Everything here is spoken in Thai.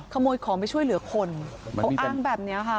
ขโมยของไปช่วยเหลือคนเขาอ้างแบบนี้ค่ะ